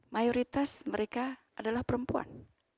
mayoritas mereka adalah perempuan